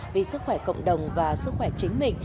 vì sức khỏe cộng đồng và sức khỏe chính mình